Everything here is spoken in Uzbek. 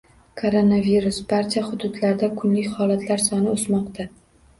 Koronavirus: Barcha hududlarda kunlik holatlar soni o‘smoqda